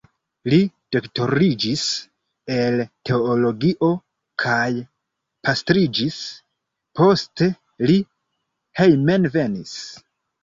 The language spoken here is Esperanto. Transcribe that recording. Li doktoriĝis el teologio kaj pastriĝis, poste li hejmenvenis.